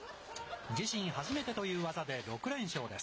自身初めてという技で６連勝です。